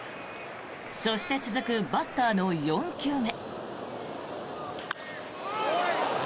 そして続くバッターの４球目。